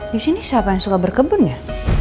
disini siapa yang suka berkebun ya